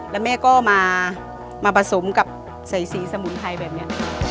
และแม่ก็มาผสมดินกับสีสมุนไทยแบบนี้